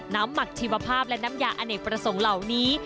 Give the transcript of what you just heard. หมักชีวภาพและน้ำยาอเนกประสงค์เหล่านี้